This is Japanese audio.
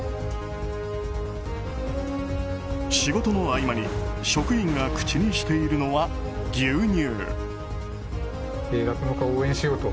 仕事の合間に職員が口にしているのは、牛乳。